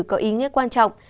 có ý nghĩa quan trọng